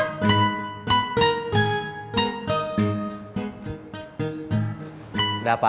kim pengen ngasar